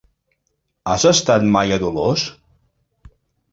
Has estat mai a Dolors?